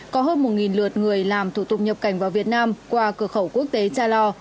có hơn một lượt người làm thủ tục nhập cảnh vào việt nam qua cửa khẩu quốc tế cha lo